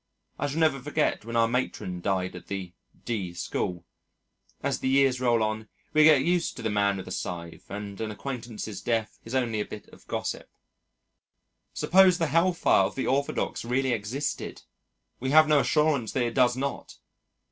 I shall never forget when our Matron died at the D School.... As the years roll on, we get used to the man with the scythe and an acquaintance's death is only a bit of gossip. Suppose the Hellfire of the orthodox really existed! We have no assurance that it does not!